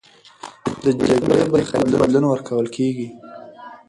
د جګړې برخلیک بدلون ورکول کېږي.